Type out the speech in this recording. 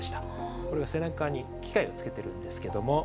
これは背中に機械をつけているんですけども。